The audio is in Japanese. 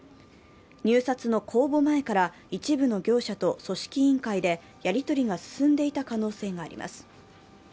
入札の公募前から一部の業者と組織委員会でやり取りが進んでいた可能性があります。